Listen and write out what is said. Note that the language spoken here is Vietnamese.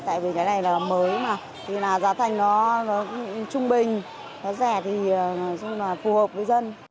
tại vì cái này là mới mà thì là giá thành nó trung bình nó rẻ thì phù hợp với dân